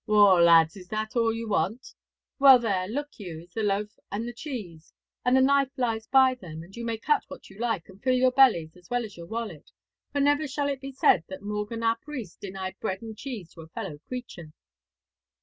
'Waw, lads! is that all you want? Well, there, look you, is the loaf and the cheese, and the knife lies by them, and you may cut what you like, and fill your bellies as well as your wallet, for never shall it be said that Morgan ap Rhys denied bread and cheese to a fellow creature.'